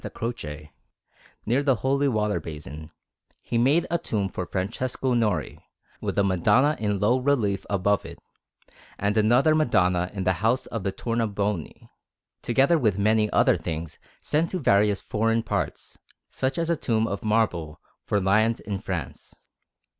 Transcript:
Croce, near the holy water basin, he made a tomb for Francesco Nori, with a Madonna in low relief above it; and another Madonna in the house of the Tornabuoni, together with many other things sent to various foreign parts, such as a tomb of marble for Lyons in France.